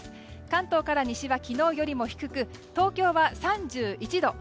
関東から西は昨日よりも低く、東京は３１度。